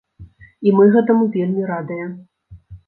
І мы гэтаму вельмі радыя!